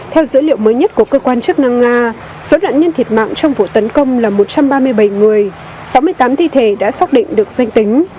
theo dữ liệu mới nhất của cơ quan chức năng nga số đạn nhân thiệt mạng trong vụ tấn công là một trăm ba mươi bảy người sáu mươi tám thi thể đã xác định được danh tính